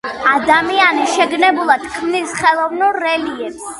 ადამიანი შეგნებულად ქმნის ხელოვნურ რელიეფს